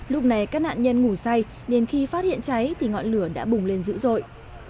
để các nạn nhân ngủ say nên khi phát hiện cháy thì ngọn lửa đã bùng lên dữ rồi